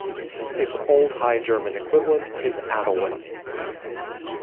Its Old High German equivalent is Adalwin.